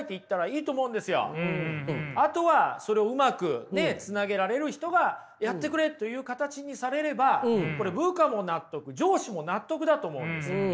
あとはそれをうまくつなげられる人がやってくれという形にされればこれ部下も納得上司も納得だと思うんですよ。